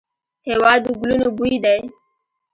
هېواد د ګلونو بوی دی.